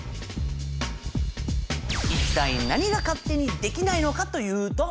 一体何が勝手にできないのか？というと。